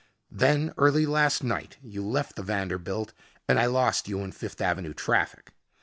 Then early last night you left the Vanderbilt and I lost you in Fifth Avenue traffic.